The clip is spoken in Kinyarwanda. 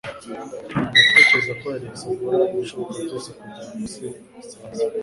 Ndatekereza ko Alex akora ibishoboka byose kugirango se asaze.